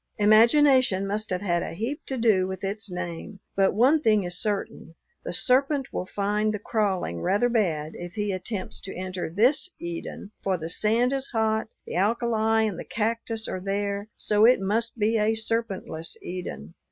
Imagination must have had a heap to do with its name, but one thing is certain: the serpent will find the crawling rather bad if he attempts to enter this Eden, for the sand is hot; the alkali and the cactus are there, so it must be a serpentless Eden.